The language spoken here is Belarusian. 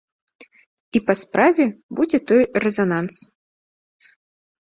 І па справе будзе той рэзананс.